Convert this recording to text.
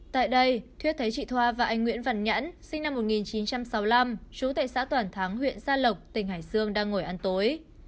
tại đây thuyết thấy chị thoa và anh nguyễn văn nhẫn sinh năm một nghìn chín trăm sáu mươi năm trú tại xã toàn thắng huyện gia lộc tỉnh hải dương đang ngồi ăn tối